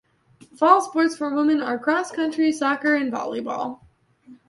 Fall sports for women are cross country, soccer, and volleyball.